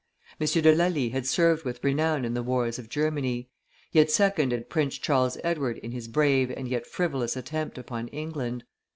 M. de Lally had served with renown in the wars of Germany; he had seconded Prince Charles Edward in his brave and yet frivolous attempt upon England.